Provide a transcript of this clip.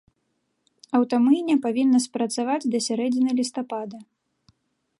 Аўтамыйня павінна спрацаваць да сярэдзіны лістапада.